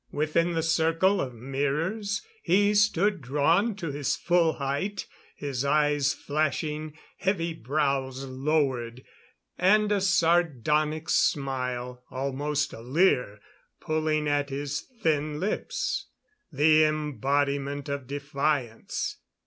Within the circle of mirrors he stood drawn to his full height; his eyes flashing, heavy brows lowered, and a sardonic smile almost a leer pulling at his thin lips. The embodiment of defiance.